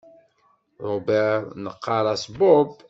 Robert neɣɣar-as Bob.